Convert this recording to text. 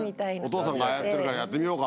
「お父さんがやってるからやってみようか」。